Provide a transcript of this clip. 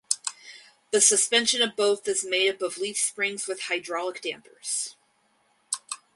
The suspension of both is made up of leaf springs with hydraulic dampers.